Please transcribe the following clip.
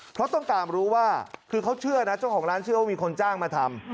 เพราะต้องการรู้ว่าคือเขาเชื่อนะเจ้าของร้านเชื่อว่ามีคนจ้างมาทำ